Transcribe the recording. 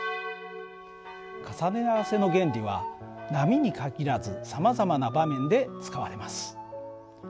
重ね合わせの原理は波に限らずさまざまな場面で使われます。